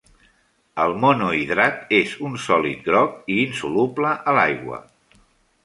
El monohidrat és un sòlid groc i insoluble a l'aigua.